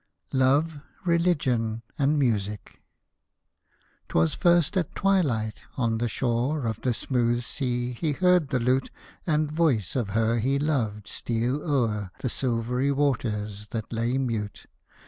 LOVE, RELIGION, AND MUSIC Twas first at twilight, on the shore Of the smooth sea, he heard the lute And voice of her he loved steal o'er The silver waters, that lay mute.